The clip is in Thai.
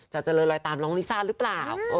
เจริญลอยตามน้องลิซ่าหรือเปล่า